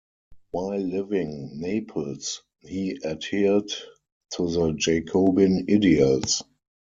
While living Naples he adhered to the Jacobin ideals.